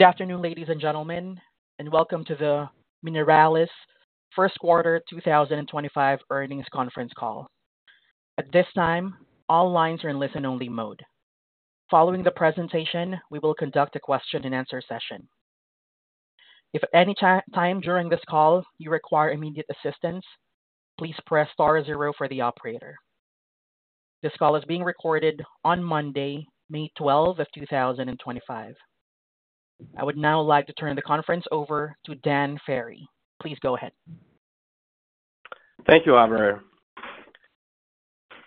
Good afternoon, ladies and gentlemen, and welcome to the Mineralys first Quarter 2025 earnings conference call. At this time, all lines are in listen-only mode. Following the presentation, we will conduct a question and answer session. If at any time during this call you require immediate assistance, please press star zero for the operator. This call is being recorded on Monday, May 12, 2025. I would now like to turn the conference over to Dan Ferry. Please go ahead. Thank you, Aubrey. I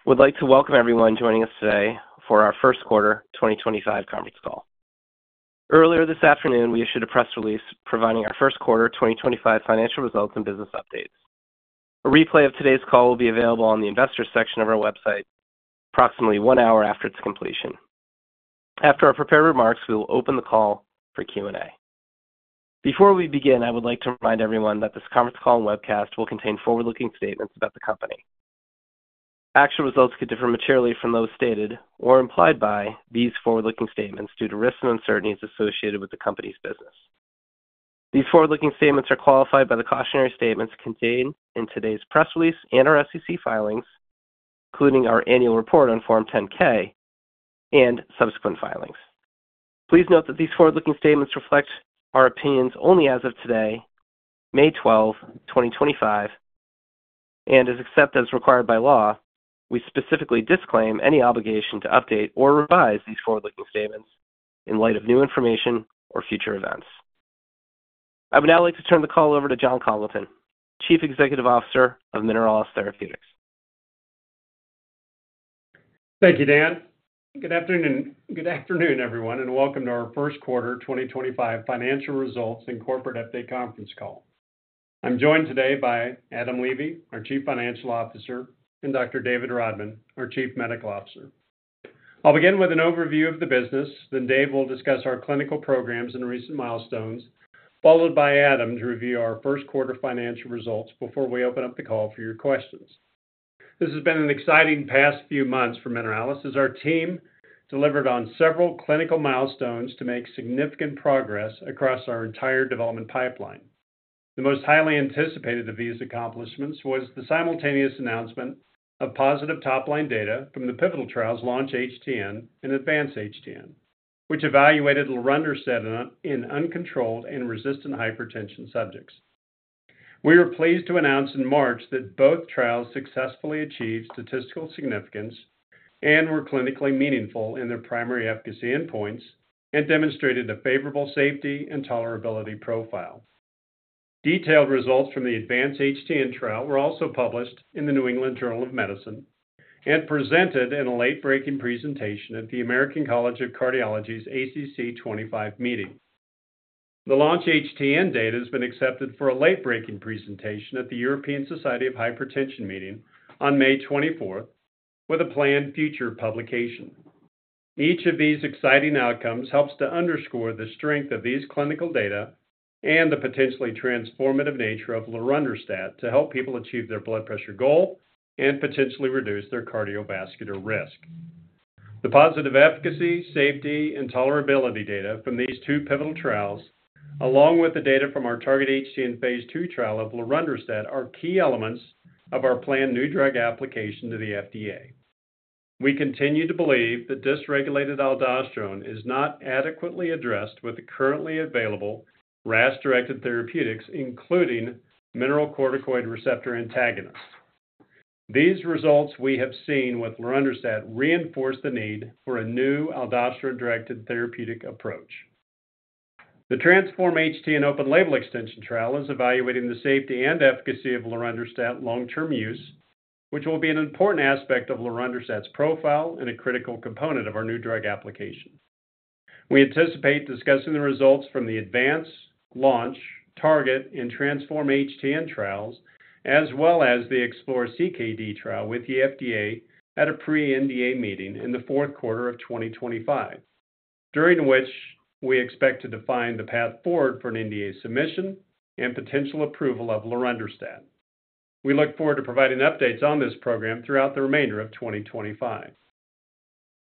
would like to welcome everyone joining us today for our first quarter 2025 conference call. Earlier this afternoon, we issued a press release providing our first quarter 2025 financial results and business updates. A replay of today's call will be available on the investors' section of our website approximately one hour after its completion. After our prepared remarks, we will open the call for Q&A. Before we begin, I would like to remind everyone that this conference call and webcast will contain forward-looking statements about the company. Actual results could differ materially from those stated or implied by these forward-looking statements due to risks and uncertainties associated with the company's business. These forward-looking statements are qualified by the cautionary statements contained in today's press release and our SEC filings, including our annual report on Form 10-K and subsequent filings. Please note that these forward-looking statements reflect our opinions only as of today, May 12, 2025, and as except as required by law, we specifically disclaim any obligation to update or revise these forward-looking statements in light of new information or future events. I would now like to turn the call over to Jon Congleton, Chief Executive Officer of Mineralys Therapeutics. Thank you, Dan. Good afternoon, everyone, and welcome to our first quarter 2025 financial results and corporate update conference call. I'm joined today by Adam Levy, our Chief Financial Officer, and Dr. David Rodman, our Chief Medical Officer. I'll begin with an overview of the business. Then Dave will discuss our clinical programs and recent milestones, followed by Adam to review our first quarter financial results before we open up the call for your questions. This has been an exciting past few months for Mineralys as our team delivered on several clinical milestones to make significant progress across our entire development pipeline. The most highly anticipated of these accomplishments was the simultaneous announcement of positive top-line data from the pivotal trials Launch-HTN and Advance-HTN, which evaluated lorundrostat in uncontrolled and resistant hypertension subjects. We were pleased to announce in March that both trials successfully achieved statistical significance and were clinically meaningful in their primary efficacy endpoints and demonstrated a favorable safety and tolerability profile. Detailed results from the Advance-HTN trial were also published in the New England Journal of Medicine and presented in a late-breaking presentation at the American College of Cardiology's ACC 25 meeting. The Launch-HTN data has been accepted for a late-breaking presentation at the European Society of Hypertension meeting on May 24, with a planned future publication. Each of these exciting outcomes helps to underscore the strength of these clinical data and the potentially transformative nature of lorundrostat to help people achieve their blood pressure goal and potentially reduce their cardiovascular risk. The positive efficacy, safety, and tolerability data from these two pivotal trials, along with the data from our Target-HTN phase II trial of lorundrostat, are key elements of our planned New Drug Application to the FDA. We continue to believe that dysregulated aldosterone is not adequately addressed with the currently available RAS-directed therapeutics, including mineralocorticoid receptor antagonists. These results we have seen with lorundrostat reinforce the need for a new aldosterone-directed therapeutic approach. The Transform-HTN open-label extension trial is evaluating the safety and efficacy of lorundrostat long-term use, which will be an important aspect of lorundrostat's profile and a critical component of our New Drug Application. We anticipate discussing the results from the Advance-HTN, Launch-HTN, Target-HTN, and Transform-HTN trials, as well as the ExploreCKD trial with the FDA at a pre-NDA meeting in the fourth quarter of 2025, during which we expect to define the path forward for an NDA submission and potential approval of lorundrostat. We look forward to providing updates on this program throughout the remainder of 2025.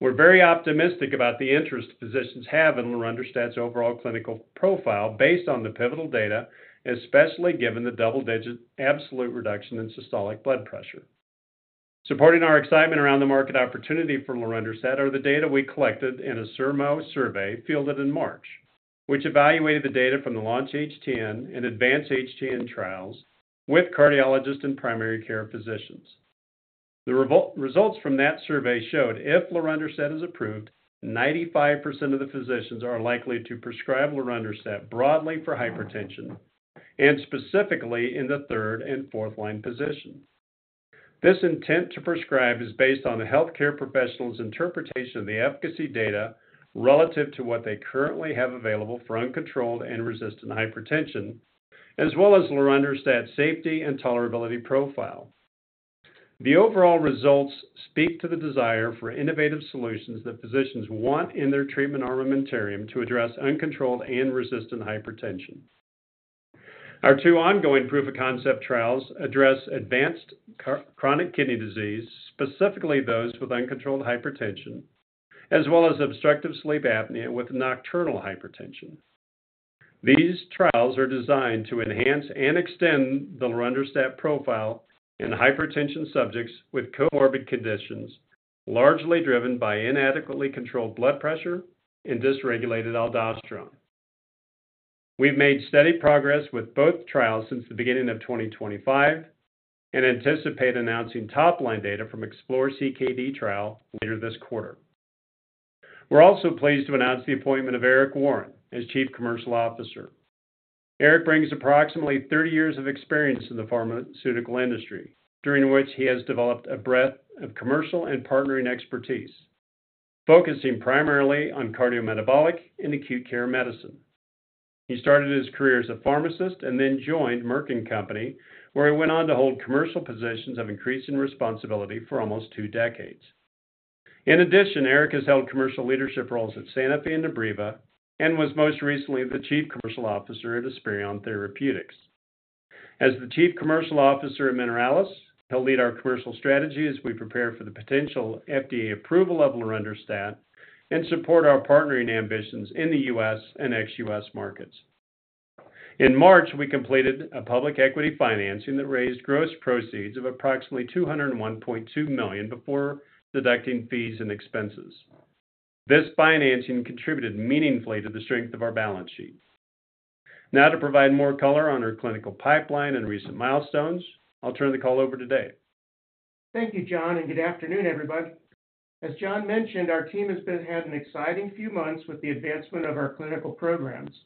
We're very optimistic about the interest physicians have in lorundrostat's overall clinical profile based on the pivotal data, especially given the double-digit absolute reduction in systolic blood pressure. Supporting our excitement around the market opportunity for lorundrostat are the data we collected in a [CIRMO] survey fielded in March, which evaluated the data from the Launch-HTN and Advance-HTN trials with cardiologists and primary care physicians. The results from that survey showed if lorundrostat is approved, 95% of the physicians are likely to prescribe lorundrostat broadly for hypertension and specifically in the third and fourth-line position. This intent to prescribe is based on the healthcare professional's interpretation of the efficacy data relative to what they currently have available for uncontrolled and resistant hypertension, as well as lorundrostat's safety and tolerability profile. The overall results speak to the desire for innovative solutions that physicians want in their treatment armamentarium to address uncontrolled and resistant hypertension. Our two ongoing proof-of-concept trials address advanced chronic kidney disease, specifically those with uncontrolled hypertension, as well as obstructive sleep apnea with nocturnal hypertension. These trials are designed to enhance and extend the lorundrostat profile in hypertension subjects with comorbid conditions largely driven by inadequately controlled blood pressure and dysregulated aldosterone. We've made steady progress with both trials since the beginning of 2025 and anticipate announcing top-line data from ExploreCKD trial later this quarter. We're also pleased to announce the appointment of Eric Warren as Chief Commercial Officer. Eric brings approximately 30 years of experience in the pharmaceutical industry, during which he has developed a breadth of commercial and partnering expertise, focusing primarily on cardiometabolic and acute care medicine. He started his career as a pharmacist and then joined Merck & Company, where he went on to hold commercial positions of increasing responsibility for almost two decades. In addition, Eric has held commercial leadership roles at Sanofi and Aspireon and was most recently the Chief Commercial Officer at Aspireon Therapeutics. As the Chief Commercial Officer at Mineralys, he'll lead our commercial strategy as we prepare for the potential FDA approval of lorundrostat and support our partnering ambitions in the U.S. and ex-U.S. markets. In March, we completed a public equity financing that raised gross proceeds of approximately $201.2 million before deducting fees and expenses. This financing contributed meaningfully to the strength of our balance sheet. Now, to provide more color on our clinical pipeline and recent milestones, I'll turn the call over to Dave. Thank you, Jon, and good afternoon, everybody. As Jon mentioned, our team has had an exciting few months with the advancement of our clinical programs.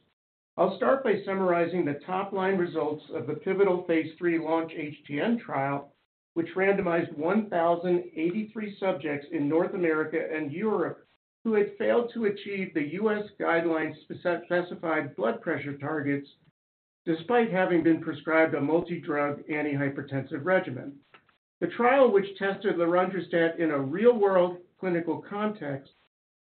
I'll start by summarizing the top-line results of the pivotal phase III Launch-HTN trial, which randomized 1,083 subjects in North America and Europe who had failed to achieve the U.S. guidelines-specified blood pressure targets despite having been prescribed a multi-drug antihypertensive regimen. The trial, which tested lorundrostat in a real-world clinical context,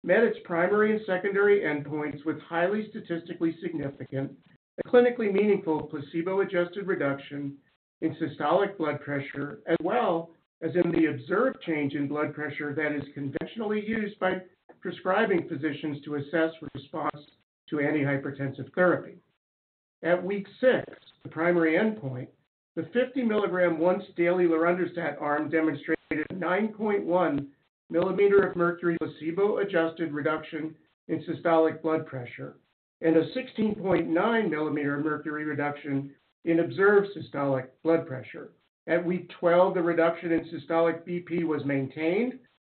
met its primary and secondary endpoints with highly statistically significant and clinically meaningful placebo-adjusted reduction in systolic blood pressure, as well as in the observed change in blood pressure that is conventionally used by prescribing physicians to assess response to antihypertensive therapy. At week six, the primary endpoint, the 50 mg once-daily lorundrostat arm demonstrated a 9.1 millimeter of mercury placebo-adjusted reduction in systolic blood pressure and a 16.9 millimeter of mercury reduction in observed systolic blood pressure. At week 12, the reduction in systolic BP was maintained,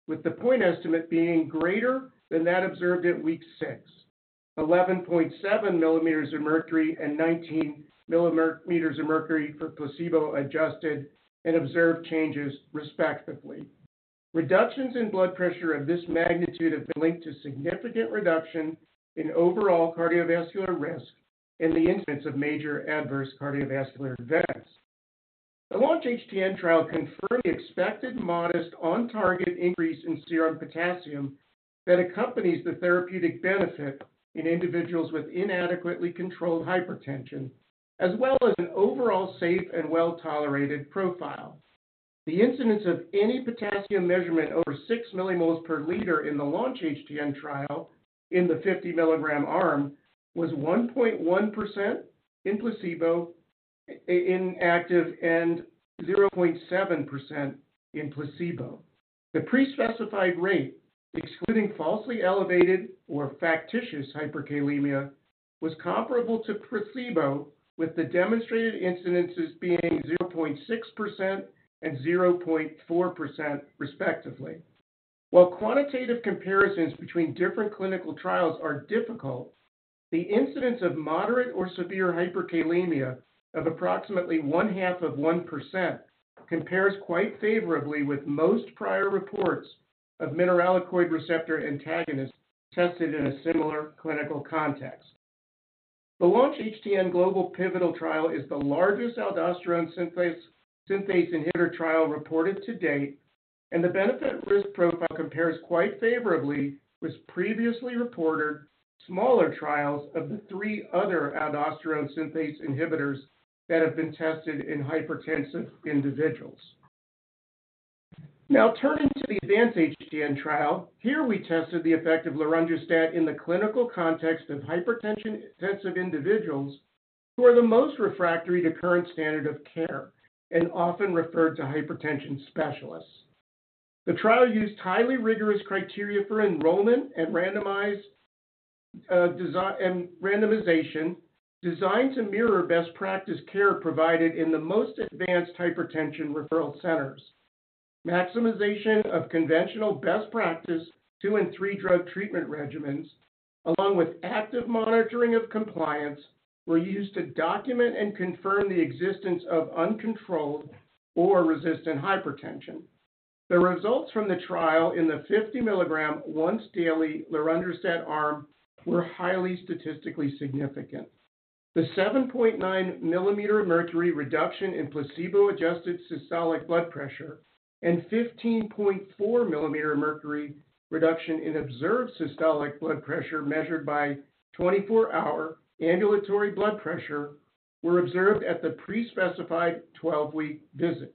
with the point estimate being greater than that observed at week six, 11.7 millimeters of mercury and 19 millimeters of mercury for placebo-adjusted and observed changes respectively. Reductions in blood pressure of this magnitude have been linked to significant reduction in overall cardiovascular risk and the incidence of major adverse cardiovascular events. The Launch-HTN trial confirmed the expected modest on-target increase in serum potassium that accompanies the therapeutic benefit in individuals with inadequately controlled hypertension, as well as an overall safe and well-tolerated profile. The incidence of any potassium measurement over 6 millimoles per liter in the Launch-HTN trial in the 50 mg arm was 1.1% in placebo inactive and 0.7% in placebo. The pre-specified rate, excluding falsely elevated or factitious hyperkalemia, was comparable to placebo, with the demonstrated incidences being 0.6% and 0.4% respectively. While quantitative comparisons between different clinical trials are difficult, the incidence of moderate or severe hyperkalemia of approximately one-half of 1% compares quite favorably with most prior reports of mineralocorticoid receptor antagonists tested in a similar clinical context. The Launch-HTN global pivotal trial is the largest aldosterone synthase inhibitor trial reported to date, and the benefit-risk profile compares quite favorably with previously reported smaller trials of the three other aldosterone synthase inhibitors that have been tested in hypertensive individuals. Now, turning to the Advance-HTN trial, here we tested the effect of lorundrostat in the clinical context of hypertensive individuals who are the most refractory to current standard of care and often referred to hypertension specialists. The trial used highly rigorous criteria for enrollment and randomization designed to mirror best practice care provided in the most advanced hypertension referral centers. Maximization of conventional best practice two and three drug treatment regimens, along with active monitoring of compliance, were used to document and confirm the existence of uncontrolled or resistant hypertension. The results from the trial in the 50 mg once-daily lorundrostat arm were highly statistically significant. The 7.9 mmHg reduction in placebo-adjusted systolic blood pressure and 15.4 mmHg reduction in observed systolic blood pressure measured by 24-hour ambulatory blood pressure were observed at the pre-specified 12-week visit.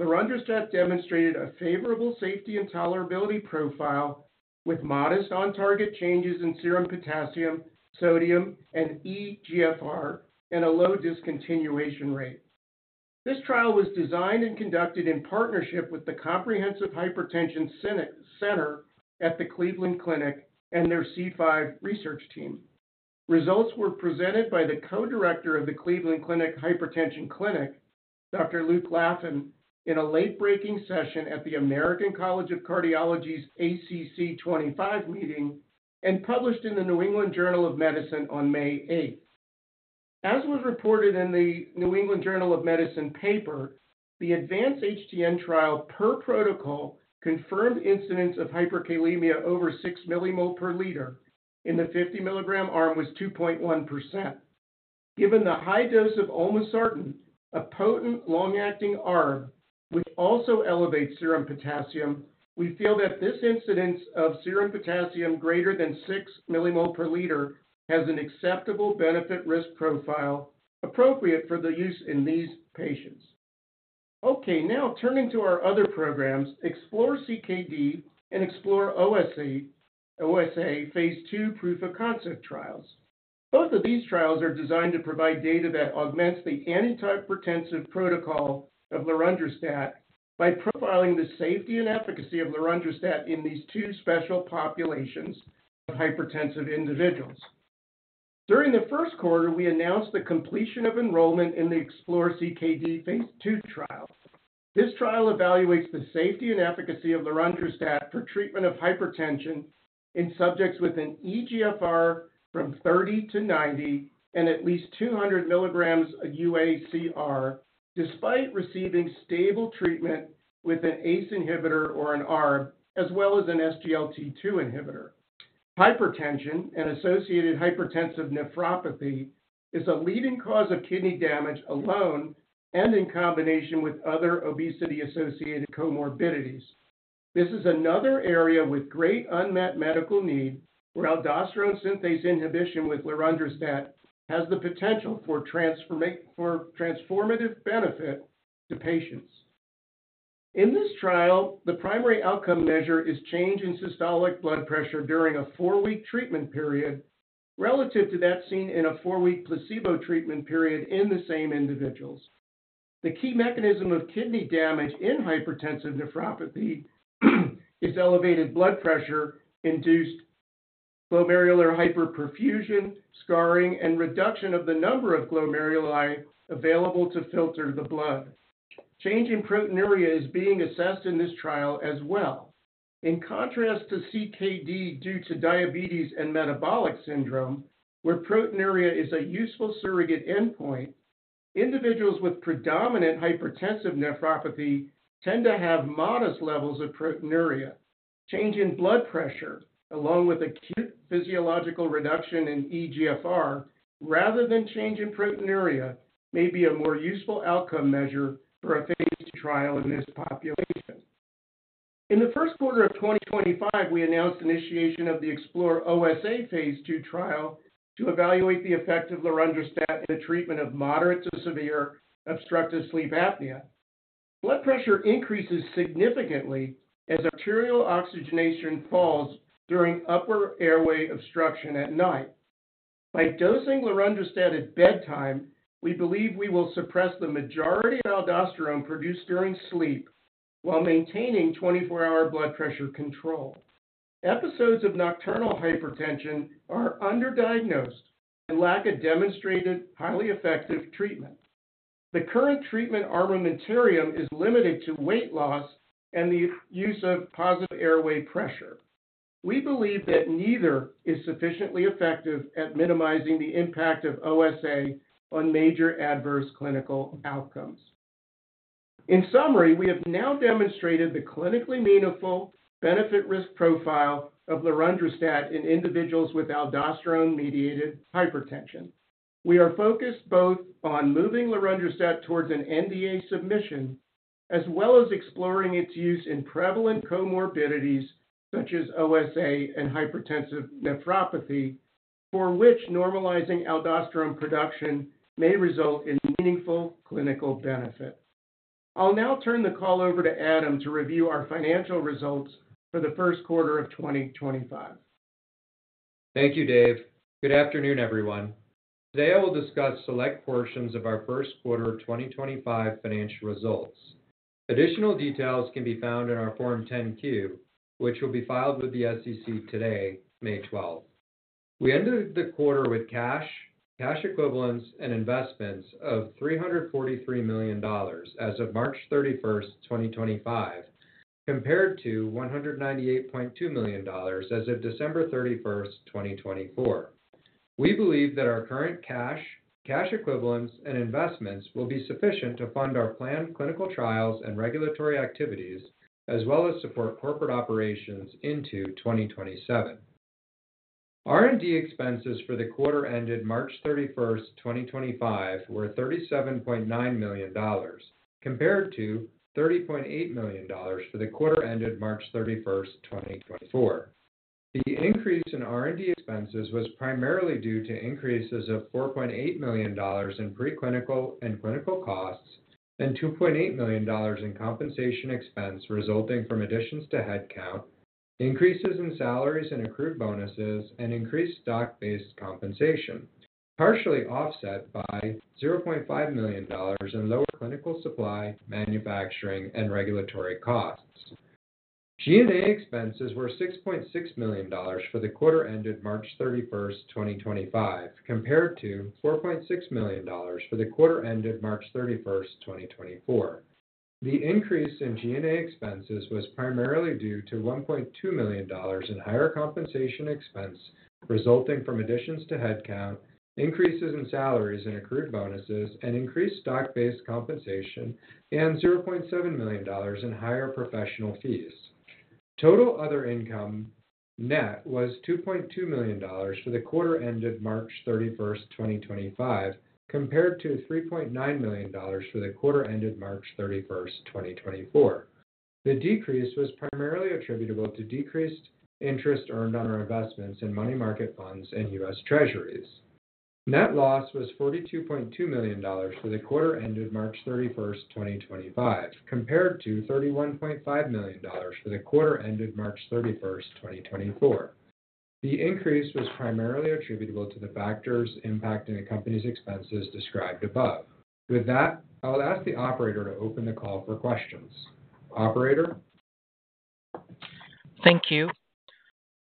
Lorundrostat demonstrated a favorable safety and tolerability profile with modest on-target changes in serum potassium, sodium, and eGFR, and a low discontinuation rate. This trial was designed and conducted in partnership with the Comprehensive Hypertension Center at the Cleveland Clinic and their C5Research team. Results were presented by the Co-Director of the Cleveland Clinic Hypertension Clinic, Dr. Luke Latham, in a late-breaking session at the American College of Cardiology's ACC 25 meeting and published in the New England Journal of Medicine on May 8. As was reported in the New England Journal of Medicine paper, the Advance-HTN trial per protocol confirmed incidence of hyperkalemia over 6 millimoles per liter in the 50-milligram arm was 2.1%. Given the high dose of olmesartan, a potent long-acting arm, which also elevates serum potassium, we feel that this incidence of serum potassium greater than 6 millimoles per liter has an acceptable benefit-risk profile appropriate for the use in these patients. Okay, now turning to our other programs, ExploreCKD and Explore-OSA phase II proof-of-concept trials. Both of these trials are designed to provide data that augments the antihypertensive protocol of lorundrostat by profiling the safety and efficacy of lorundrostat in these two special populations of hypertensive individuals. During the first quarter, we announced the completion of enrollment in the ExploreCKD phase II trial. This trial evaluates the safety and efficacy of lorundrostat for treatment of hypertension in subjects with an eGFR from 30 to 90 and at least 200 milligrams of uACR, despite receiving stable treatment with an ACE inhibitor or an ARB, as well as an SGLT2 inhibitor. Hypertension and associated hypertensive nephropathy is a leading cause of kidney damage alone and in combination with other obesity-associated comorbidities. This is another area with great unmet medical need where aldosterone synthase inhibition with lorundrostat has the potential for transformative benefit to patients. In this trial, the primary outcome measure is change in systolic blood pressure during a four-week treatment period relative to that seen in a four-week placebo treatment period in the same individuals. The key mechanism of kidney damage in hypertensive nephropathy is elevated blood pressure-induced glomerular hyperperfusion, scarring, and reduction of the number of glomeruli available to filter the blood. Change in proteinuria is being assessed in this trial as well. In contrast to CKD due to diabetes and metabolic syndrome, where proteinuria is a useful surrogate endpoint, individuals with predominant hypertensive nephropathy tend to have modest levels of proteinuria. Change in blood pressure, along with acute physiological reduction in eGFR, rather than change in proteinuria, may be a more useful outcome measure for a phase II trial in this population. In the first quarter of 2025, we announced initiation of the Explore-OSA phase II trial to evaluate the effect of lorundrostat in the treatment of moderate to severe obstructive sleep apnea. Blood pressure increases significantly as arterial oxygenation falls during upper airway obstruction at night. By dosing lorundrostat at bedtime, we believe we will suppress the majority of aldosterone produced during sleep while maintaining 24-hour blood pressure control. Episodes of nocturnal hypertension are underdiagnosed and lack a demonstrated highly effective treatment. The current treatment armamentarium is limited to weight loss and the use of positive airway pressure. We believe that neither is sufficiently effective at minimizing the impact of OSA on major adverse clinical outcomes. In summary, we have now demonstrated the clinically meaningful benefit-risk profile of lorundrostat in individuals with aldosterone-mediated hypertension. We are focused both on moving lorundrostat towards an NDA submission, as well as exploring its use in prevalent comorbidities such as OSA and hypertensive nephropathy, for which normalizing aldosterone production may result in meaningful clinical benefit. I'll now turn the call over to Adam to review our financial results for the first quarter of 2025. Thank you, Dave. Good afternoon, everyone. Today, I will discuss select portions of our first quarter of 2025 financial results. Additional details can be found in our Form 10-Q, which will be filed with the SEC today, May 12. We ended the quarter with cash, cash equivalents, and investments of $343 million as of March 31, 2025, compared to $198.2 million as of December 31, 2024. We believe that our current cash, cash equivalents, and investments will be sufficient to fund our planned clinical trials and regulatory activities, as well as support corporate operations into 2027. R&D expenses for the quarter ended March 31, 2025, were $37.9 million, compared to $30.8 million for the quarter ended March 31, 2024. The increase in R&D expenses was primarily due to increases of $4.8 million in preclinical and clinical costs and $2.8 million in compensation expense resulting from additions to head count, increases in salaries and accrued bonuses, and increased stock-based compensation, partially offset by $0.5 million in lower clinical supply, manufacturing, and regulatory costs. G&A expenses were $6.6 million for the quarter ended March 31, 2025, compared to $4.6 million for the quarter ended March 31, 2024. The increase in G&A expenses was primarily due to $1.2 million in higher compensation expense resulting from additions to head count, increases in salaries and accrued bonuses, and increased stock-based compensation, and $0.7 million in higher professional fees. Total other income net was $2.2 million for the quarter ended March 31, 2025, compared to $3.9 million for the quarter ended March 31, 2024. The decrease was primarily attributable to decreased interest earned on our investments in money market funds and U.S. Treasuries. Net loss was $42.2 million for the quarter ended March 31, 2025, compared to $31.5 million for the quarter ended March 31, 2024. The increase was primarily attributable to the factors impacting the company's expenses described above. With that, I'll ask the operator to open the call for questions. Operator? Thank you.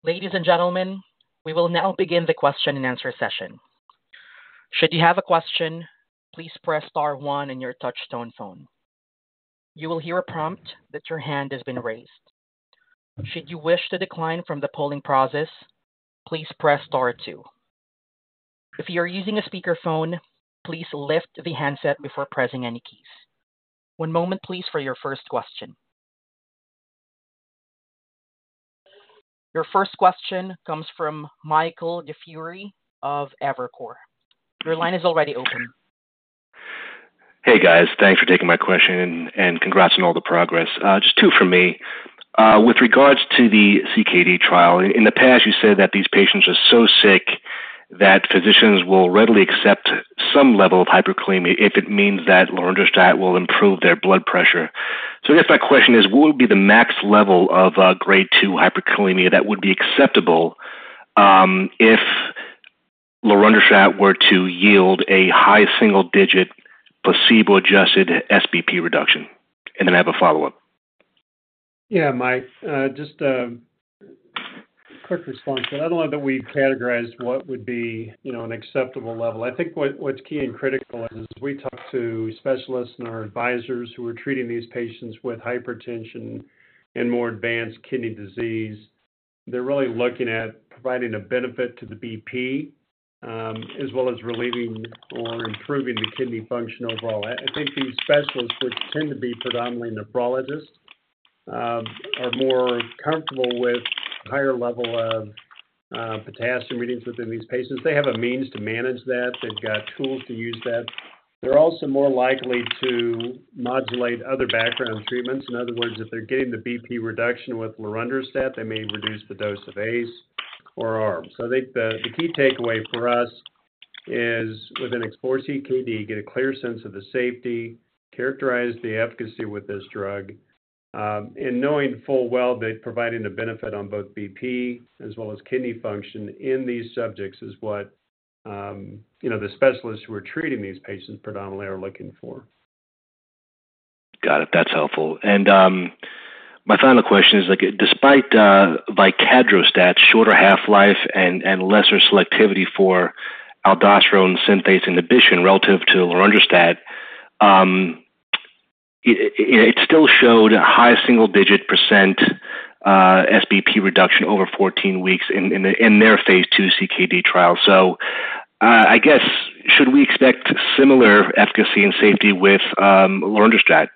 Ladies and gentlemen, we will now begin the question and answer session. Should you have a question, please press star one on your touch-tone phone. You will hear a prompt that your hand has been raised. Should you wish to decline from the polling process, please press star two. If you are using a speakerphone, please lift the handset before pressing any keys. One moment, please, for your first question. Your first question comes from Michael DiFiore of Evercore. Your line is already open. Hey, guys. Thanks for taking my question and congrats on all the progress. Just two from me. With regards to the CKD trial, in the past, you said that these patients are so sick that physicians will readily accept some level of hyperkalemia if it means that lorundrostat will improve their blood pressure. I guess my question is, what would be the max level of grade 2 hyperkalemia that would be acceptable if lorundrostat were to yield a high single-digit placebo-adjusted SBP reduction? I have a follow-up. Yeah, Mike. Just a quick response. I don't know that we've categorized what would be an acceptable level. I think what's key and critical is we talk to specialists and our advisors who are treating these patients with hypertension and more advanced kidney disease. They're really looking at providing a benefit to the BP as well as relieving or improving the kidney function overall. I think these specialists, which tend to be predominantly nephrologists, are more comfortable with a higher level of potassium readings within these patients. They have a means to manage that. They've got tools to use that. They're also more likely to modulate other background treatments. In other words, if they're getting the BP reduction with lorundrostat, they may reduce the dose of ACE or ARB. I think the key takeaway for us is with an ExploreCKD, get a clear sense of the safety, characterize the efficacy with this drug, and knowing full well that providing a benefit on both BP as well as kidney function in these subjects is what the specialists who are treating these patients predominantly are looking for. Got it. That's helpful. My final question is, despite Baxdrostat's shorter half-life and lesser selectivity for aldosterone synthase inhibition relative to lorundrostat, it still showed a high single-digit percent SBP reduction over 14 weeks in their phase II CKD trial. I guess, should we expect similar efficacy and safety with lorundrostat?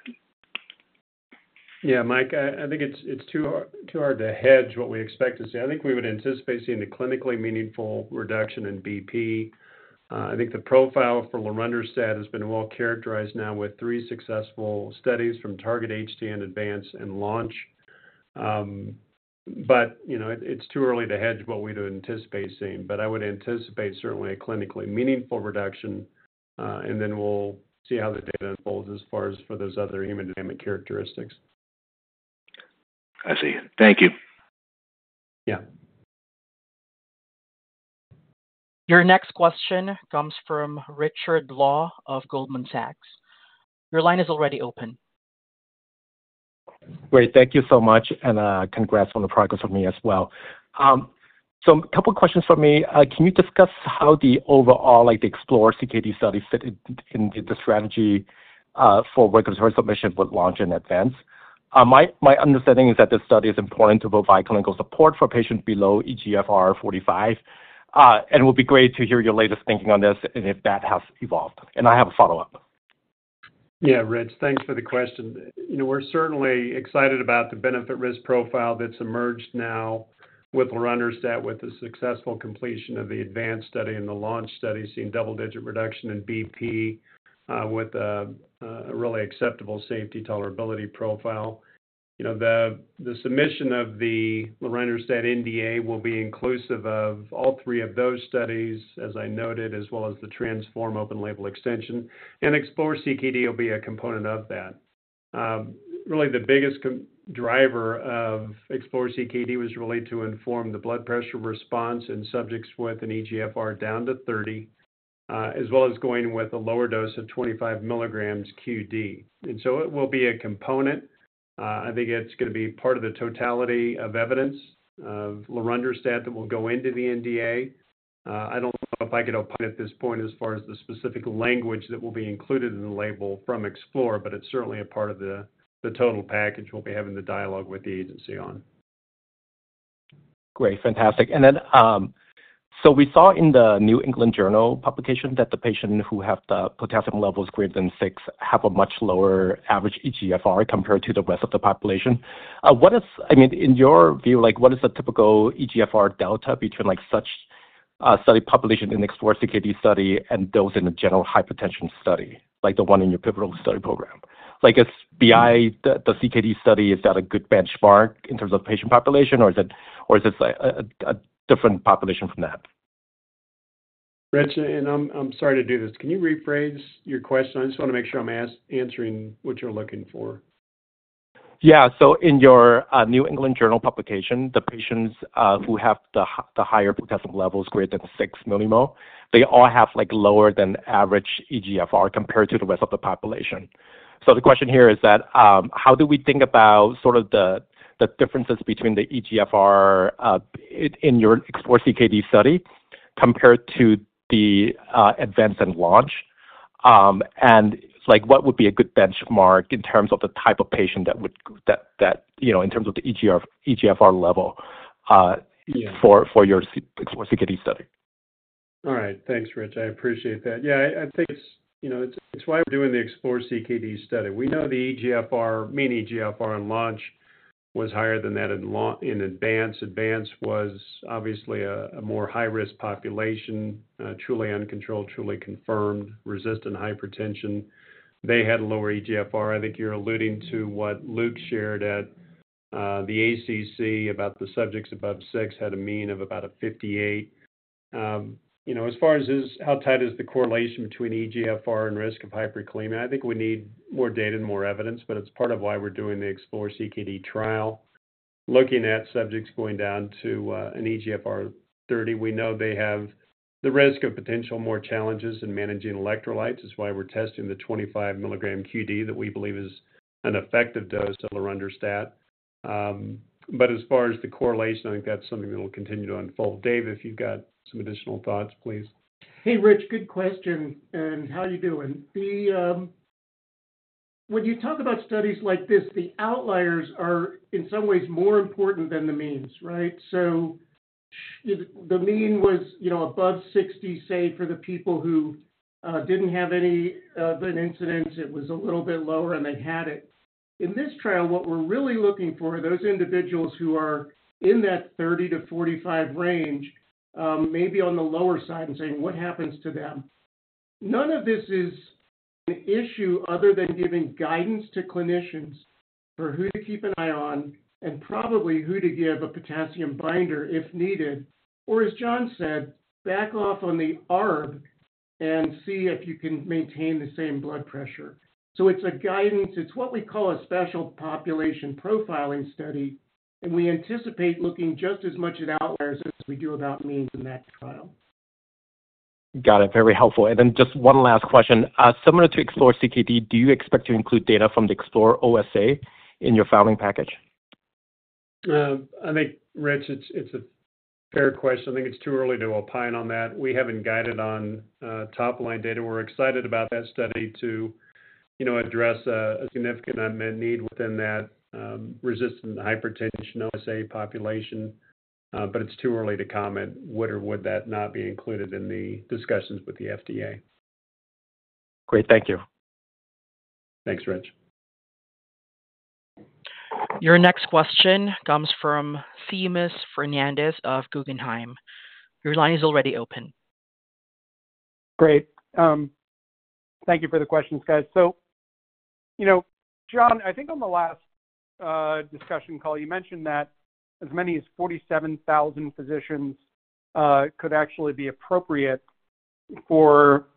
Yeah, Mike, I think it's too hard to hedge what we expect to see. I think we would anticipate seeing a clinically meaningful reduction in BP. I think the profile for lorundrostat has been well characterized now with three successful studies from Target-HTN, Advance-HTN, and Launch-HTN. It's too early to hedge what we'd anticipate seeing. I would anticipate certainly a clinically meaningful reduction, and then we'll see how the data unfolds as far as for those other hemodynamic characteristics. I see. Thank you. Yeah. Your next question comes from Richard Law of Goldman Sachs. Your line is already open. Great. Thank you so much, and congrats on the progress from me as well. A couple of questions for me. Can you discuss how the overall ExploreCKD study fit into the strategy for regulatory submission with Launch and Advance? My understanding is that this study is important to provide clinical support for patients below eGFR 45, and it would be great to hear your latest thinking on this and if that has evolved. I have a follow-up. Yeah, Rich, thanks for the question. We're certainly excited about the benefit-risk profile that's emerged now with lorundrostat with the successful completion of the Advance study and the Launch study seeing double-digit reduction in BP with a really acceptable safety tolerability profile. The submission of the lorundrostat NDA will be inclusive of all three of those studies, as I noted, as well as the Transform open-label extension, and ExploreCKD will be a component of that. Really, the biggest driver of ExploreCKD was really to inform the blood pressure response in subjects with an eGFR down to 30, as well as going with a lower dose of 25 milligrams qd. And so it will be a component. I think it's going to be part of the totality of evidence of lorundrostat that will go into the NDA. I don't know if I could opine at this point as far as the specific language that will be included in the label from Explore, but it's certainly a part of the total package we'll be having the dialogue with the agency on. Great. Fantastic. And then we saw in the New England Journal publication that the patients who have the potassium levels greater than 6 have a much lower average eGFR compared to the rest of the population. I mean, in your view, what is the typical eGFR delta between such study population in the ExploreCKD study and those in a general hypertension study, like the one in your pivotal study program? I guess, beyond the CKD study, is that a good benchmark in terms of patient population, or is it a different population from that? Rich, and I'm sorry to do this. Can you rephrase your question? I just want to make sure I'm answering what you're looking for. Yeah. In your New England Journal publication, the patients who have the higher potassium levels greater than 6 millimole, they all have lower than average eGFR compared to the rest of the population. The question here is that how do we think about sort of the differences between the eGFR in your ExploreCKD study compared to the Advance and Launch? What would be a good benchmark in terms of the type of patient that would, in terms of the eGFR level for your ExploreCKD study? All right. Thanks, Rich. I appreciate that. Yeah, I think it's why we're doing the ExploreCKD study. We know the eGFR, mean eGFR on Launch was higher than that in Advance. Advance was obviously a more high-risk population, truly uncontrolled, truly confirmed, resistant hypertension. They had lower eGFR. I think you're alluding to what Luke shared at the ACC about the subjects above 6 had a mean of about a 58. As far as how tight is the correlation between eGFR and risk of hyperkalemia, I think we need more data and more evidence, but it's part of why we're doing the ExploreCKD trial. Looking at subjects going down to an eGFR of 30, we know they have the risk of potential more challenges in managing electrolytes. That's why we're testing the 25 milligram qd. that we believe is an effective dose of lorundrostat. As far as the correlation, I think that's something that will continue to unfold. Dave, if you've got some additional thoughts, please. Hey, Rich, good question. How are you doing? When you talk about studies like this, the outliers are in some ways more important than the means, right? The mean was above 60, say, for the people who did not have any of an incidence. It was a little bit lower, and they had it. In this trial, what we are really looking for are those individuals who are in that 30-45 range, maybe on the lower side, and saying, "What happens to them?" None of this is an issue other than giving guidance to clinicians for who to keep an eye on and probably who to give a potassium binder if needed. As Jon said, back off on the ARB and see if you can maintain the same blood pressure. It is a guidance. It's what we call a special population profiling study, and we anticipate looking just as much at outliers as we do about means in that trial. Got it. Very helpful. Just one last question. Similar to ExploreCKD, do you expect to include data from the Explore-OSA in your filing package? I think, Rich, it's a fair question. I think it's too early to opine on that. We haven't guided on top-line data. We're excited about that study to address a significant unmet need within that resistant hypertension OSA population, but it's too early to comment whether or not that would be included in the discussions with the FDA. Great. Thank you. Thanks, Rich. Your next question comes from Seamus Fernandez of Guggenheim. Your line is already open. Great. Thank you for the questions, guys. John, I think on the last discussion call, you mentioned that as many as 47,000 physicians could actually be appropriate for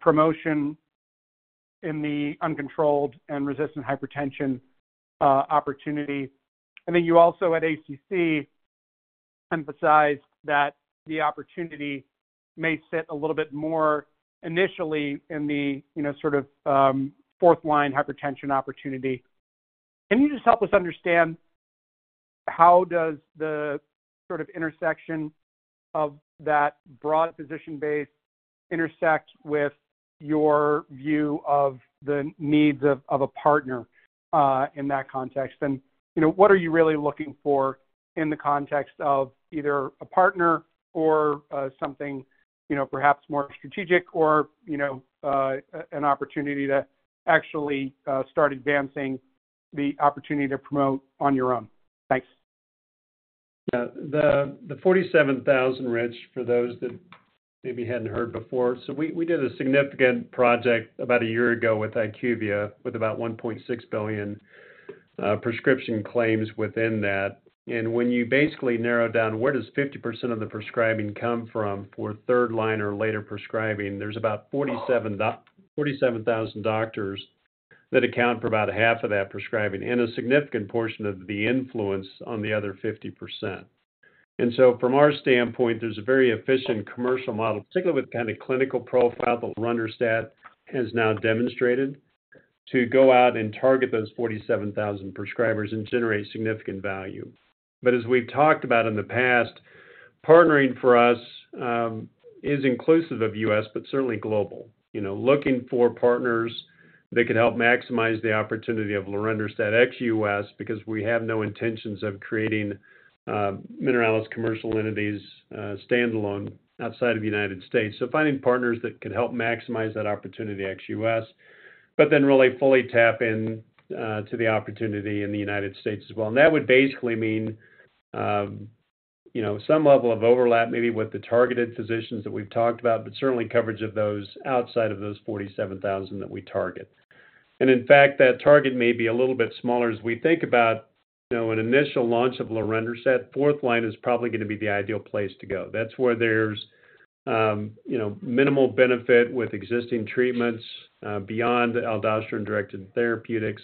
promotion in the uncontrolled and resistant hypertension opportunity. I think you also at ACC emphasized that the opportunity may sit a little bit more initially in the sort of fourth-line hypertension opportunity. Can you just help us understand how does the sort of intersection of that broad physician base intersect with your view of the needs of a partner in that context? What are you really looking for in the context of either a partner or something perhaps more strategic or an opportunity to actually start advancing the opportunity to promote on your own? Thanks. Yeah. The 47,000, Rich, for those that maybe hadn't heard before, so we did a significant project about a year ago with IQVIA with about 1.6 billion prescription claims within that. When you basically narrow down where does 50% of the prescribing come from for third-line or later prescribing, there's about 47,000 doctors that account for about half of that prescribing and a significant portion of the influence on the other 50%. From our standpoint, there's a very efficient commercial model, particularly with kind of clinical profile that lorundrostat has now demonstrated, to go out and target those 47,000 prescribers and generate significant value. As we've talked about in the past, partnering for us is inclusive of U.S., but certainly global. Looking for partners that could help maximize the opportunity of lorundrostat ex-U.S. because we have no intentions of creating Mineralys commercial entities standalone outside of the United States. Finding partners that could help maximize that opportunity ex-U.S., but then really fully tap into the opportunity in the United States as well. That would basically mean some level of overlap maybe with the targeted physicians that we've talked about, but certainly coverage of those outside of those 47,000 that we target. In fact, that target may be a little bit smaller as we think about an initial launch of lorundrostat. Fourth-line is probably going to be the ideal place to go. That's where there's minimal benefit with existing treatments beyond aldosterone-directed therapeutics.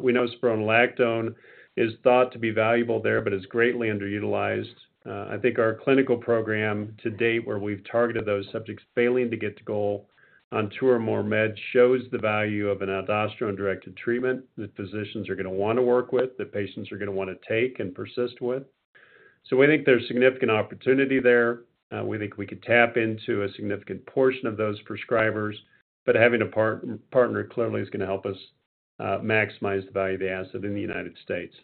We know spironolactone is thought to be valuable there, but it's greatly underutilized. I think our clinical program to date where we've targeted those subjects failing to get to goal on two or more meds shows the value of an aldosterone-directed treatment that physicians are going to want to work with, that patients are going to want to take and persist with. We think there's significant opportunity there. We think we could tap into a significant portion of those prescribers, but having a partner clearly is going to help us maximize the value of the asset in the United States.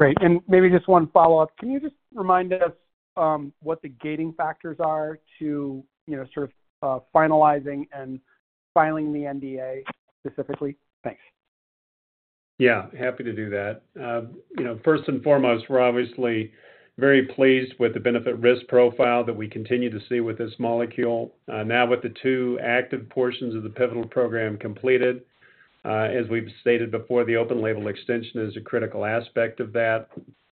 Great. Maybe just one follow-up. Can you just remind us what the gating factors are to sort of finalizing and filing the NDA specifically? Thanks. Yeah. Happy to do that. First and foremost, we're obviously very pleased with the benefit-risk profile that we continue to see with this molecule. Now with the two active portions of the pivotal program completed, as we've stated before, the open label extension is a critical aspect of that.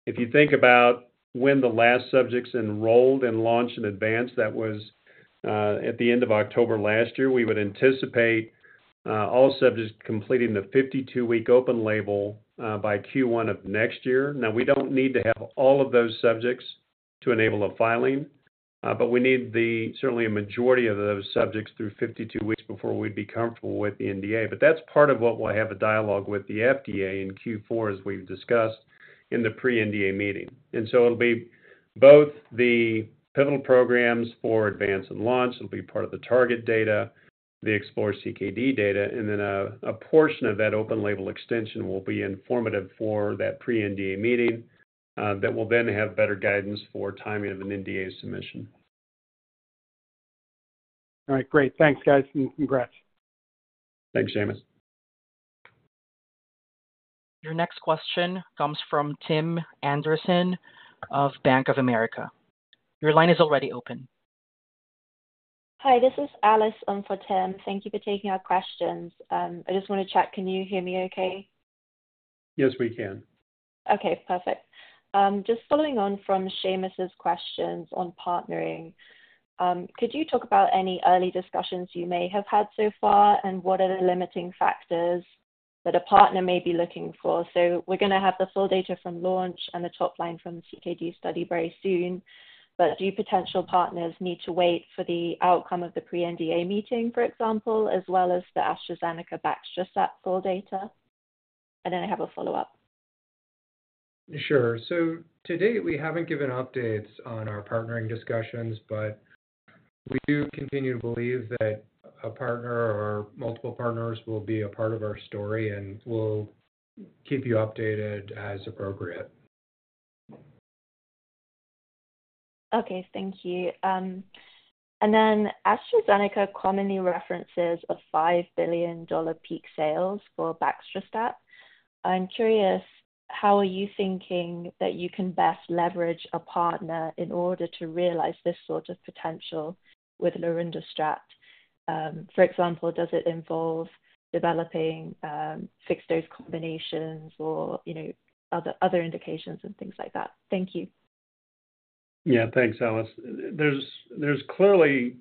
If you think about when the last subjects enrolled in Launch and Advance, that was at the end of October last year, we would anticipate all subjects completing the 52-week open label by Q1 of next year. Now, we don't need to have all of those subjects to enable a filing, but we need certainly a majority of those subjects through 52 weeks before we'd be comfortable with the NDA. That is part of what we'll have a dialogue with the FDA in Q4, as we've discussed in the pre-NDA meeting. It'll be both the pivotal programs for Advance and Launch. It'll be part of the target data, the ExploreCKD data, and then a portion of that open label extension will be informative for that pre-NDA meeting that will then have better guidance for timing of an NDA submission. All right. Great. Thanks, guys, and congrats. Thanks, Seamus. Your next question comes from Tim Anderson of Bank of America. Your line is already open. Hi, this is Alice from Tim. Thank you for taking our questions. I just want to check. Can you hear me okay? Yes, we can. Okay. Perfect. Just following on from Seamus's questions on partnering, could you talk about any early discussions you may have had so far, and what are the limiting factors that a partner may be looking for? We're going to have the full data from Launch and the top-line from the CKD study very soon, but do potential partners need to wait for the outcome of the pre-NDA meeting, for example, as well as the AstraZeneca/Baxdrostat full data? I have a follow-up. Sure. To date, we haven't given updates on our partnering discussions, but we do continue to believe that a partner or multiple partners will be a part of our story and will keep you updated as appropriate. Okay. Thank you. AstraZeneca commonly references a $5 billion peak sales for Baxdrostat. I'm curious, how are you thinking that you can best leverage a partner in order to realize this sort of potential with lorundrostat? For example, does it involve developing fixed dose combinations or other indications and things like that? Thank you. Yeah. Thanks, Alice. There's clearly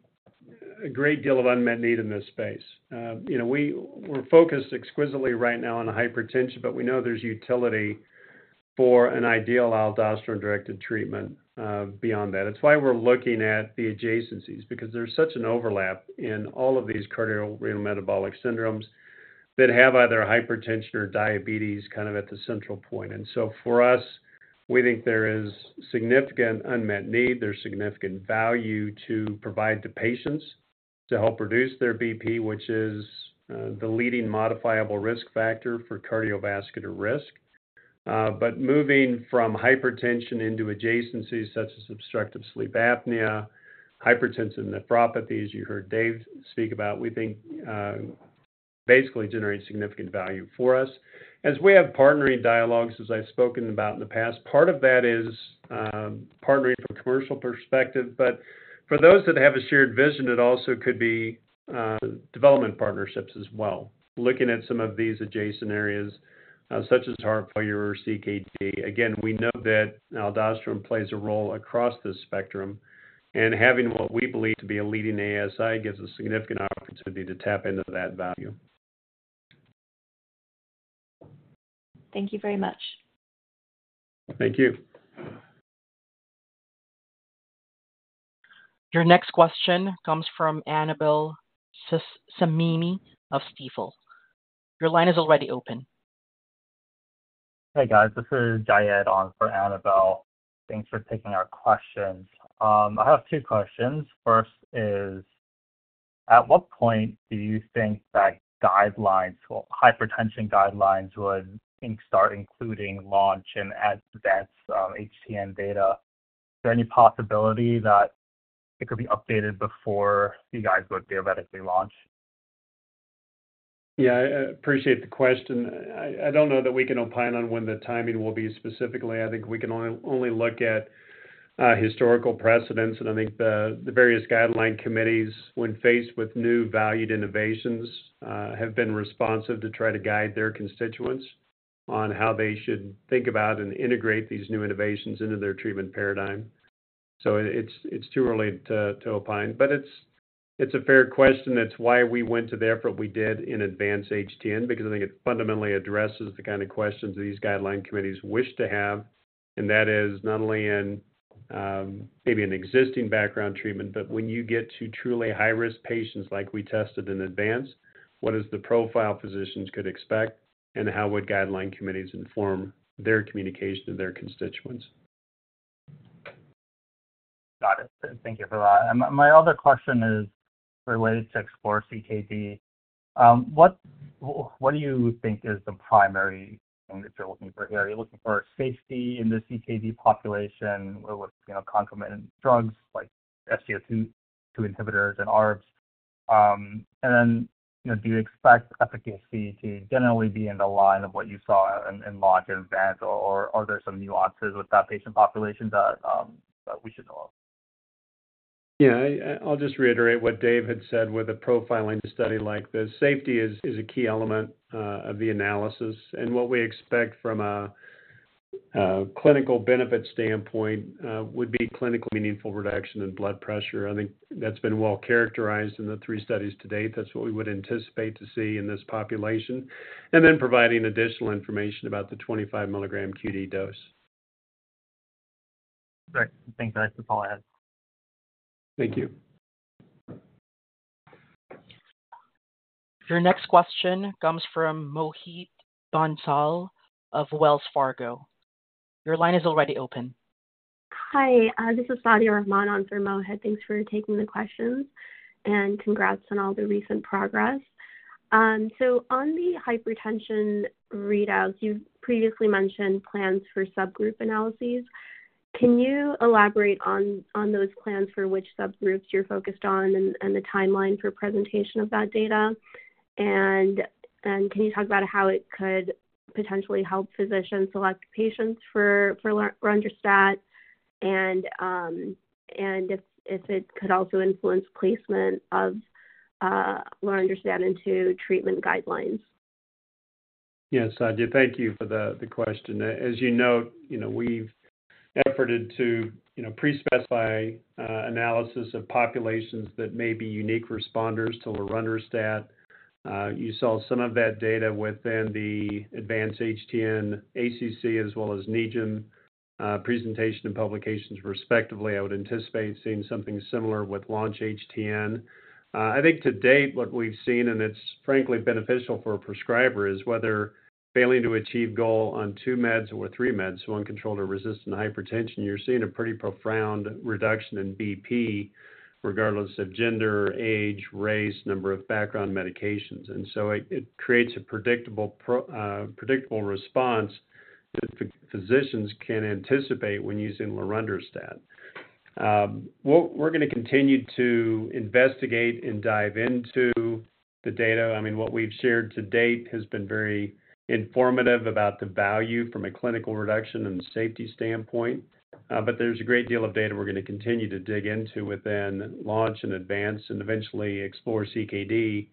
a great deal of unmet need in this space. We're focused exquisitely right now on hypertension, but we know there's utility for an ideal aldosterone-directed treatment beyond that. It's why we're looking at the adjacencies, because there's such an overlap in all of these cardiorenal metabolic syndromes that have either hypertension or diabetes kind of at the central point. For us, we think there is significant unmet need. There's significant value to provide to patients to help reduce their BP, which is the leading modifiable risk factor for cardiovascular risk. Moving from hypertension into adjacencies such as obstructive sleep apnea, hypertensive nephropathy, as you heard Dave speak about, we think basically generates significant value for us. As we have partnering dialogues, as I've spoken about in the past, part of that is partnering from a commercial perspective, but for those that have a shared vision, it also could be development partnerships as well, looking at some of these adjacent areas such as heart failure or CKD. Again, we know that aldosterone plays a role across the spectrum, and having what we believe to be a leading ASI gives us significant opportunity to tap into that value. Thank you very much. Thank you. Your next question comes from Annabel Samimy of Stifel. Your line is already open. Hey, guys. This is Jayed on for Annabel. Thanks for taking our questions. I have two questions. First is, at what point do you think that guidelines, hypertension guidelines, would start including Launch and Advance-HTN data? Is there any possibility that it could be updated before you guys would theoretically launch? Yeah. I appreciate the question. I don't know that we can opine on when the timing will be specifically. I think we can only look at historical precedents, and I think the various guideline committees, when faced with new valued innovations, have been responsive to try to guide their constituents on how they should think about and integrate these new innovations into their treatment paradigm. It is too early to opine, but it's a fair question. It's why we went to the effort we did in Advance-HTN, because I think it fundamentally addresses the kind of questions these guideline committees wish to have, and that is not only in maybe an existing background treatment, but when you get to truly high-risk patients like we tested in Advance, what is the profile physicians could expect, and how would guideline committees inform their communication to their constituents? Got it. Thank you for that. My other question is related to ExploreCKD. What do you think is the primary thing that you're looking for here? Are you looking for safety in the CKD population with concomitant drugs like SGLT2 inhibitors and ARBs? Do you expect efficacy to generally be in the line of what you saw in Launch and Advance, or are there some nuances with that patient population that we should know of? Yeah. I'll just reiterate what Dave had said with a profiling study like this. Safety is a key element of the analysis, and what we expect from a clinical benefit standpoint would be clinically meaningful reduction in blood pressure. I think that's been well characterized in the three studies to date. That's what we would anticipate to see in this population. Then providing additional information about the 25-milligram qd dose. Great. Thank you. That's all I had. Thank you. Your next question comes from Mohit Bansal of Wells Fargo. Your line is already open. Hi. This is Sadia Rahman on for Mohit. Thanks for taking the questions, and congrats on all the recent progress. On the hypertension readouts, you previously mentioned plans for subgroup analyses. Can you elaborate on those plans for which subgroups you're focused on and the timeline for presentation of that data? Can you talk about how it could potentially help physicians select patients for lorundrostat, and if it could also influence placement of lorundrostat into treatment guidelines? Yeah. Sadia, thank you for the question. As you know, we've efforted to pre-specify analysis of populations that may be unique responders to lorundrostat. You saw some of that data within the Advance-HTN ACC as well as NEJM presentation and publications respectively. I would anticipate seeing something similar with Launch-HTN. I think to date, what we've seen, and it's frankly beneficial for a prescriber, is whether failing to achieve goal on two meds or three meds, so uncontrolled or resistant hypertension, you're seeing a pretty profound reduction in BP regardless of gender, age, race, number of background medications. It creates a predictable response that physicians can anticipate when using lorundrostat. We're going to continue to investigate and dive into the data. I mean, what we've shared to date has been very informative about the value from a clinical reduction and safety standpoint, but there's a great deal of data we're going to continue to dig into within Launch and Advance and eventually ExploreCKD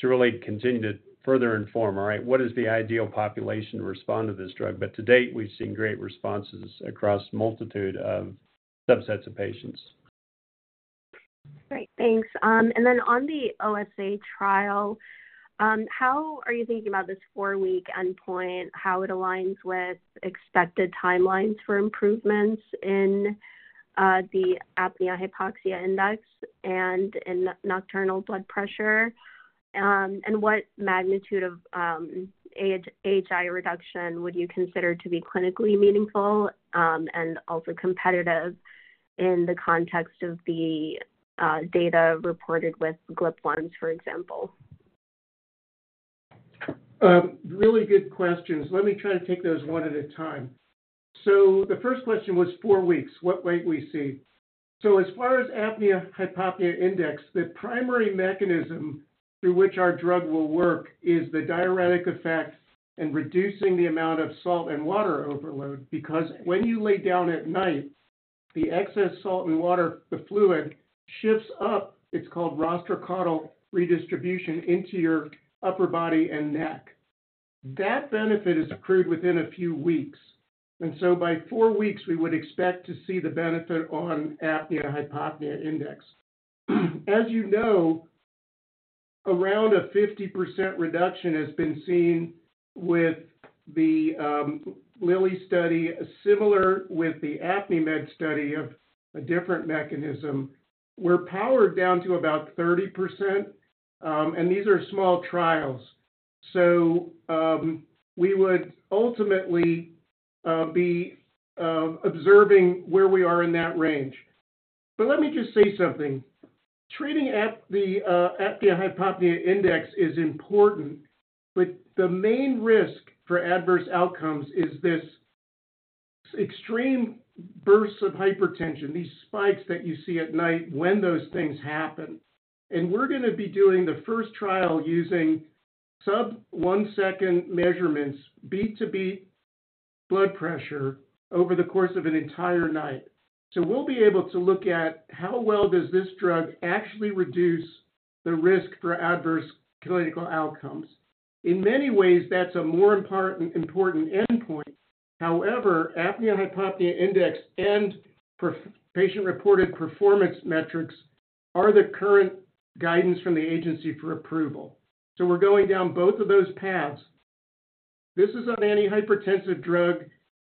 to really continue to further inform, all right, what is the ideal population to respond to this drug? To date, we've seen great responses across a multitude of subsets of patients. Great. Thanks. Then on the OSA trial, how are you thinking about this four-week endpoint, how it aligns with expected timelines for improvements in the apnea-hypopnea index and in nocturnal blood pressure? What magnitude of HI reduction would you consider to be clinically meaningful and also competitive in the context of the data reported with GLP-1s, for example? Really good questions. Let me try to take those one at a time. The first question was four weeks. What might we see? As far as apnea-hypopnea index, the primary mechanism through which our drug will work is the diuretic effect and reducing the amount of salt and water overload, because when you lay down at night, the excess salt and water, the fluid, shifts up. It is called rostrocaudal redistribution into your upper body and neck. That benefit is accrued within a few weeks. By four weeks, we would expect to see the benefit on apnea-hypopnea index. As you know, around a 50% reduction has been seen with the Lilly study, similar with the Apnimed of a different mechanism, where power down to about 30%. These are small trials. We would ultimately be observing where we are in that range. Let me just say something. Treating the apnea-hypopnea index is important, but the main risk for adverse outcomes is these extreme bursts of hypertension, these spikes that you see at night when those things happen. We're going to be doing the first trial using sub-one-second measurements, beat-to-beat blood pressure over the course of an entire night. We'll be able to look at how well does this drug actually reduce the risk for adverse clinical outcomes. In many ways, that's a more important endpoint. However, apnea-hypopnea index and patient-reported performance metrics are the current guidance from the agency for approval. We're going down both of those paths. This is an anti-hypertensive drug,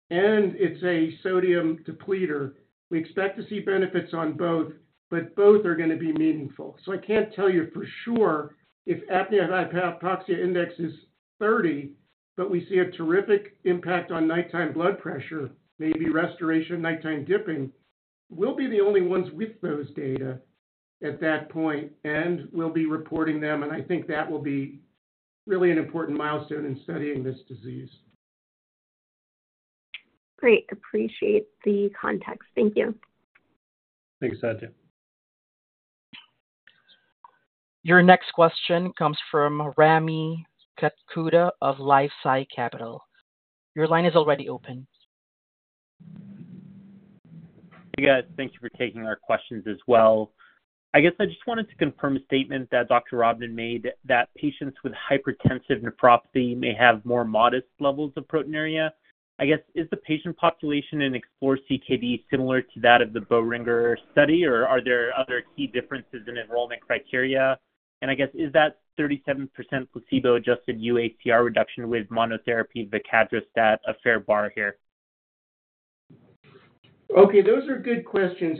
and it's a sodium depleter. We expect to see benefits on both, but both are going to be meaningful. I can't tell you for sure if apnea-hypopnea index is 30, but we see a terrific impact on nighttime blood pressure, maybe restoration nighttime dipping. We'll be the only ones with those data at that point, and we'll be reporting them, and I think that will be really an important milestone in studying this disease. Great. Appreciate the context. Thank you. Thanks, Saadia. Your next question comes from Rami Katkhuda of LifeSci Capital. Your line is already open. Hey, guys. Thank you for taking our questions as well. I guess I just wanted to confirm a statement that Dr. Rodman made that patients with hypertensive nephropathy may have more modest levels of proteinuria. I guess, is the patient population in ExploreCKD similar to that of the Boehringer study, or are there other key differences in enrollment criteria? I guess, is that 37% placebo-adjusted uACR reduction with monotherapy of Baxdrostat a fair bar here? Okay. Those are good questions.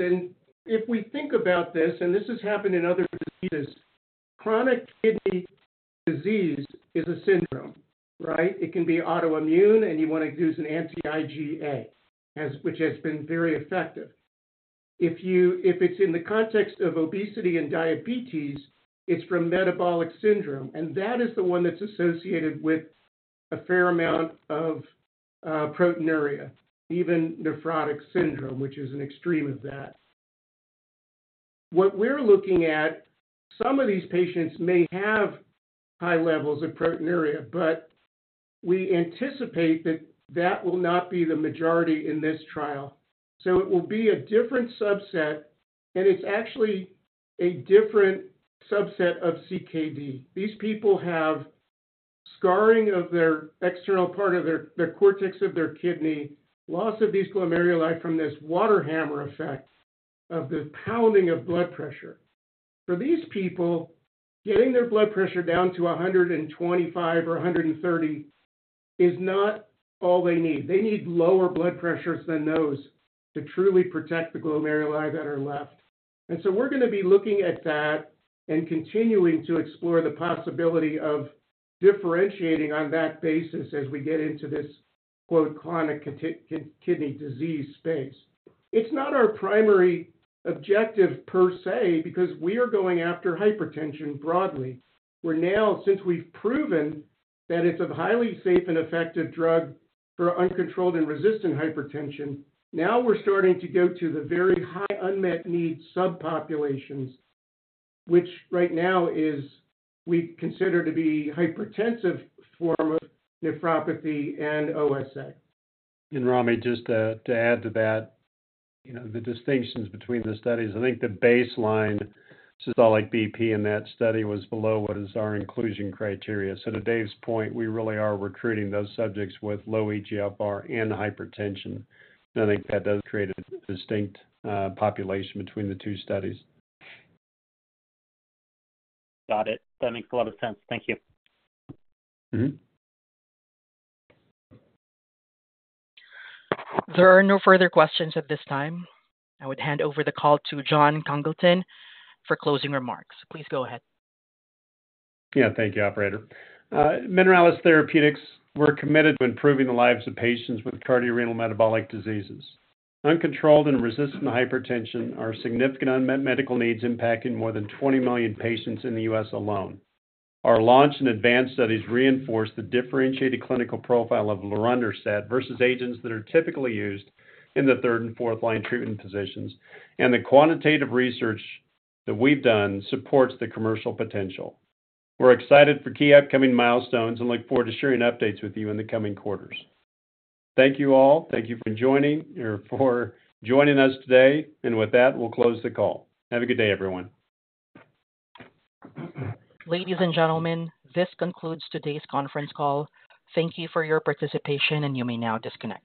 If we think about this, and this has happened in other diseases, chronic kidney disease is a syndrome, right? It can be autoimmune, and you want to use an anti-IgA, which has been very effective. If it is in the context of obesity and diabetes, it is from metabolic syndrome, and that is the one that is associated with a fair amount of proteinuria, even nephrotic syndrome, which is an extreme of that. What we are looking at, some of these patients may have high levels of proteinuria, but we anticipate that that will not be the majority in this trial. It will be a different subset, and it is actually a different subset of CKD. These people have scarring of their external part of their cortex of their kidney, loss of these glomeruli from this water hammer effect of the pounding of blood pressure. For these people, getting their blood pressure down to 125 or 130 is not all they need. They need lower blood pressures than those to truly protect the glomeruli that are left. We are going to be looking at that and continuing to explore the possibility of differentiating on that basis as we get into this chronic kidney disease space. It is not our primary objective per se, because we are going after hypertension broadly. We are now, since we have proven that it is a highly safe and effective drug for uncontrolled and resistant hypertension, starting to go to the very high unmet need subpopulations, which right now we consider to be hypertensive form of nephropathy and OSA. Rami, just to add to that, the distinctions between the studies, I think the baseline systolic BP in that study was below what is our inclusion criteria. To Dave's point, we really are recruiting those subjects with low eGFR and hypertension. I think that does create a distinct population between the two studies. Got it. That makes a lot of sense. Thank you. There are no further questions at this time. I would hand over the call to Jon Congleton for closing remarks. Please go ahead. Yeah. Thank you, operator. Mineralys Therapeutics, we're committed to improving the lives of patients with cardiorenal metabolic diseases. Uncontrolled and resistant hypertension are significant unmet medical needs impacting more than 20 million patients in the U.S. alone. Our Launch-HTN and Advance-HTN studies reinforce the differentiated clinical profile of lorundrostat versus agents that are typically used in the third and fourth-line treatment positions, and the quantitative research that we've done supports the commercial potential. We're excited for key upcoming milestones and look forward to sharing updates with you in the coming quarters. Thank you all. Thank you for joining us today. With that, we'll close the call. Have a good day, everyone. Ladies and gentlemen, this concludes today's conference call. Thank you for your participation, and you may now disconnect.